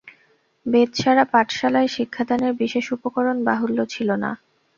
বেত ছাড়া পাঠশালায় শিক্ষাদানের বিশেষ উপকরণ-বাহুল্য ছিল না।